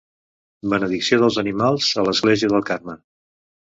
Benedicció dels animals a l'església del Carme.